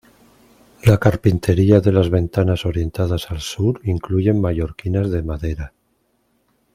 La carpintería de las ventanas orientadas al Sur incluyen mallorquinas de madera.